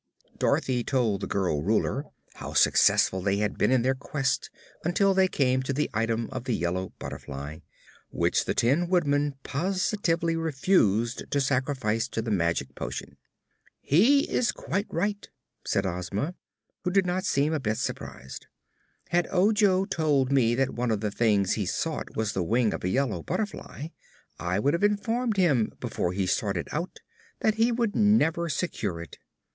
Dorothy told the girl Ruler how successful they had been in their quest until they came to the item of the yellow butterfly, which the Tin Woodman positively refused to sacrifice to the magic potion. "He is quite right," said Ozma, who did not seem a bit surprised. "Had Ojo told me that one of the things he sought was the wing of a yellow butterfly I would have informed him, before he started out, that he could never secure it.